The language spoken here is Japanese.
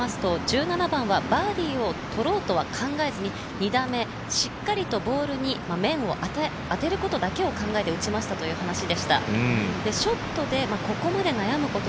馬場に話を聞きますと、１７番はバーディーを取ろうとは考えずに、２打目をしっかりとボールに面を当てることだけを考えて打ちましたという話でした。